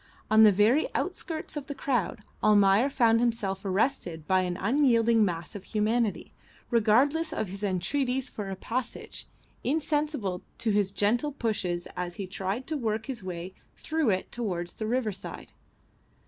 On the very outskirts of the crowd Almayer found himself arrested by an unyielding mass of humanity, regardless of his entreaties for a passage, insensible to his gentle pushes as he tried to work his way through it towards the riverside.